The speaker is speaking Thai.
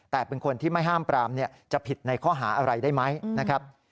แต่เป็นคนที่ไม่ห้ามปรามจะผิดในข้อหาอะไรได้ไหมนะครับ